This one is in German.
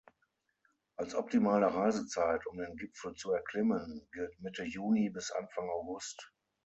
Als optimale Reisezeit, um den Gipfel zu erklimmen, gilt Mitte Juni bis Anfang August.